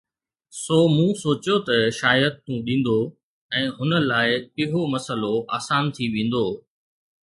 سو مون سوچيو ته شايد تون ڏيندو ۽ هن لاءِ اهو مسئلو آسان ٿي ويندو